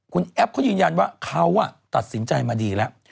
คุณแอปเขายืนยันว่าเขาตัดสินใจมาดีแล้ว